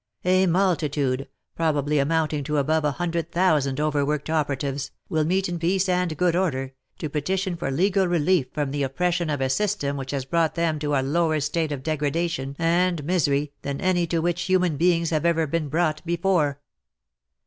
A multitude, probably amount ing to above a hundred thousand overworked operatives, will meet in peace and good order, to petition for legal relief from the oppression of a system which has brought them to a lower state of degradation and misery than any to which human beings have ever been brought be fore.